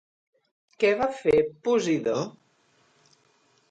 Què va fer Posidó?